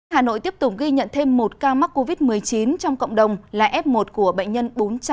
hà nội tiếp tục ghi nhận thêm một ca mắc covid một mươi chín trong cộng đồng là f một của bệnh nhân bốn trăm sáu mươi ba